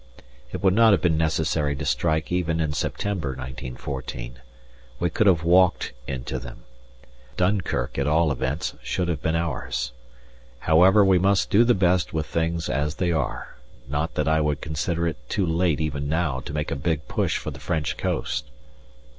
It would not have been necessary to strike even in September, 1914. We could have walked into them. Dunkirk, at all events, should have been ours; however, we must do the best with things as they are, not that I would consider it too late even now to make a big push for the French coast.